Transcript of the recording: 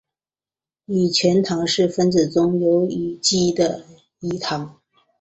己醛糖是分子中有醛基的己糖。